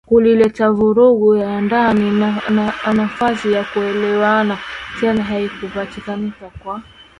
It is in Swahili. kulileta vurugu ya ndani Nafasi ya kuelewana tena haikupatikana kwa